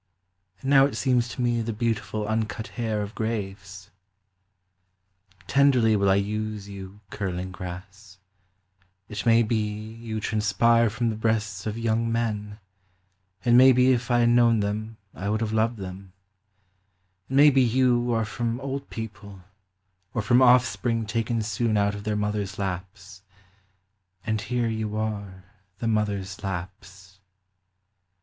And now it seems to me the beautiful uncut hair of graves. Tenderly will I use you curling grass, It may be you transpire from the breasts of young men, It may be if I had known them I would have loved them, It may be you are from old people, or from offspring taken soon out of their mothers' laps, And here you are the mothers' laps.